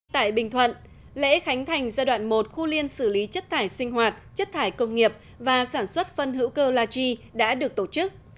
tại bình thuận lễ khánh thành giai đoạn một khu liên xử lý chất thải sinh hoạt chất thải công nghiệp và sản xuất phân hữu cơ la chi đã được tổ chức